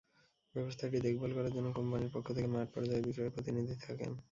ব্যবস্থাটি দেখভাল করার জন্য কোম্পানির পক্ষ থেকে মাঠপর্যায়েও বিক্রয় প্রতিনিধি থাকেন।